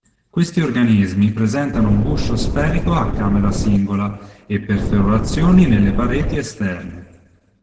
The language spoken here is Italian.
Questi organismi presentano un guscio sferico a camera singola, e perforazioni nelle pareti esterne.